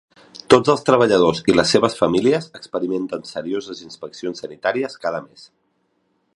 Tots els treballadors i les seves famílies experimenten serioses inspeccions sanitàries cada mes.